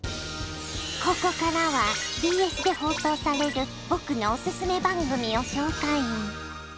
ここからはＢＳで放送される僕のおすすめ番組を紹介！